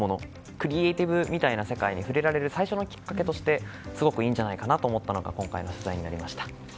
クリエーティブみたいなものに触れられる最初のきっかけとしてすごくいいんじゃないかなと思った今回の取材になりました。